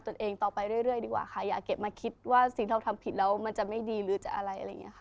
ตัวเองต่อไปเรื่อยดีกว่าค่ะอย่าเก็บมาคิดว่าสิ่งเราทำผิดแล้วมันจะไม่ดีหรือจะอะไรอะไรอย่างนี้ค่ะ